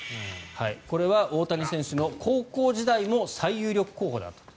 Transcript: これは大谷選手の高校時代の最有力候補だったと。